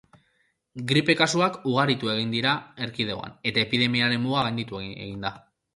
Gripe kasuak ugaritu egin dira erkidegoan, eta epidemiaren muga gainditu egin da.